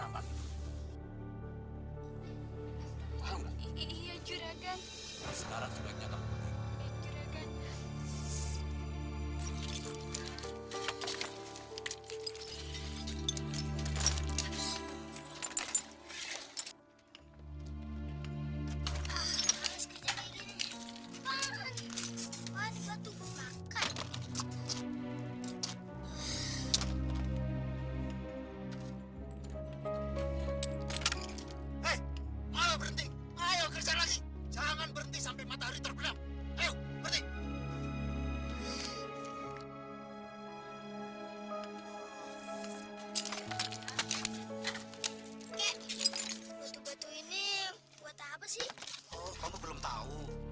mungkin senasib semua orang tak